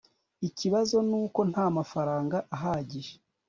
ikibazo nuko ntamafaranga ahagije